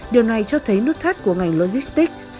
điều này cho thấy nước thắt của ngành logistic